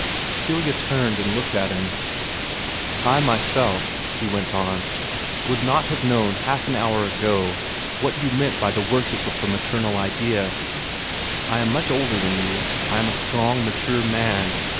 Celia turned and looked at him. "I myself," he went on, "would not have known, half an hour ago, what you meant by the worship of the maternal idea. I am much older than you. I am a strong, mature man.